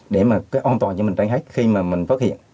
để mà cái an toàn cho mình tránh hết khi mà mình phát hiện